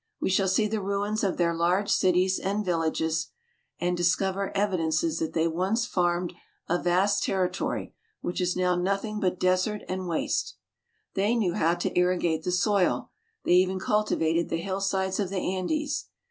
We shall see the ruins of their large cities and villages, and discover evidences that they once farmed a vast territory which is now nothing but desert and waste. They knew how to irrigate the soil. They even cultivated the hillsides of the Andes.